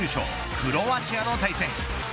クロアチアの対戦。